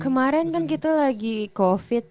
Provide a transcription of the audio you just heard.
kemarin kan kita lagi covid